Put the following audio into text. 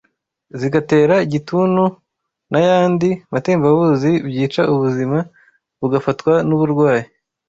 zigatera igituntu n’ayandi matembabuzi byica ubuzima, bugafatwa n’uburwayi.